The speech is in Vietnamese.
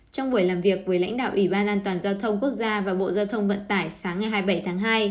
trong buổi làm việc với lãnh đạo ủy ban an toàn giao thông quốc gia và bộ giao thông vận tải sáng ngày hai mươi bảy tháng hai